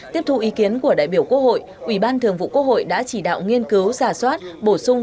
tiếp thu ý kiến của đại biểu quốc hội ủy ban thường vụ quốc hội đã chỉ đạo nghiên cứu giả soát bổ sung